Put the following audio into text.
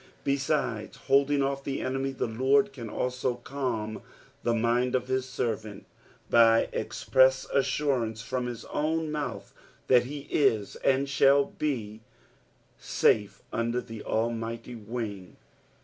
Besides holding off the enemy, the Lord can also calm the mind of his servant by express assurance from bis own mouth, that he is, and shall be, safe under the Almighty win^.